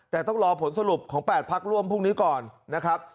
แต่ต้องรอผลสรุปของ๘พักร่วมพรุ่งนี้ก่อนนะครับ